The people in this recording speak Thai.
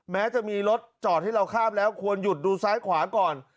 แม้จะมีรถจอดให้เราข้ามแล้วควรหยุดดูซ้ายขวาก่อน